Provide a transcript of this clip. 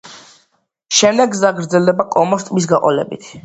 შემდეგ გზა გრძელდება კომოს ტბის გაყოლებით.